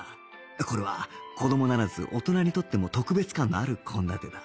これは子供ならず大人にとっても特別感のある献立だ